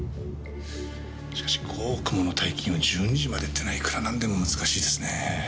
しかし５億もの大金を１２時までってのはいくらなんでも難しいですね。